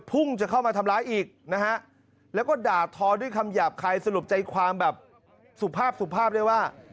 พุ่งจะเข้ามาทำร้ายอีกแล้วก็ด่าท้อด้วยคำหยาบคายสลบใจความแบบสุภาพเลยว่า